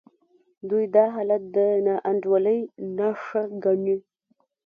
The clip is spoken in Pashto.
دوی دا حالت د ناانډولۍ نښه ګڼي.